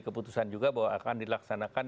keputusan juga bahwa akan dilaksanakan